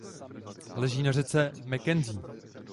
Leží na řece Mackenzie.